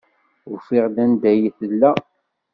Ufiɣ-d anda ay tella.